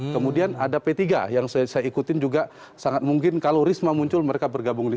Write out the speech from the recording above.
kemudian ada p tiga yang saya ikutin juga sangat mungkin kalau risma muncul mereka bergabung di